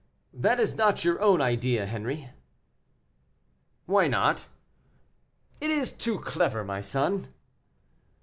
"That is not your own idea, Henri." "Why not?" "It is too clever, my son."